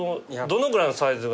これぐらいのサイズが。